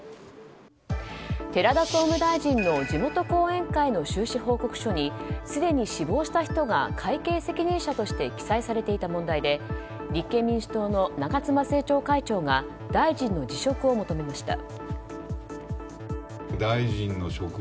寺田総務大臣の地元後援会の収支報告書にすでに死亡した人が会計責任者として記載されていた問題で立憲民主党の長妻政調会長が大臣の辞職を求めました。